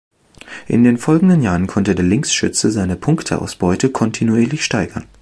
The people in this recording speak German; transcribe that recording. In den folgenden Jahren konnte der Linksschütze seine Punkteausbeute kontinuierlich steigern.